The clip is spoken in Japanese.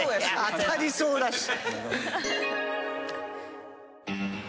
当たりそうだし。